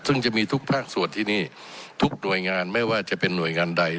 ซึ่งจะมีทุกภาคส่วนที่นี่ทุกหน่วยงานไม่ว่าจะเป็นหน่วยงานใด